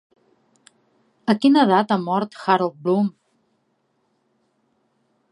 A quina edat ha mort Harold Bloom?